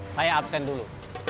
saya absen dulu